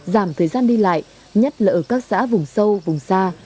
đừng đi lại nhất là ở các xã vùng sâu vùng xa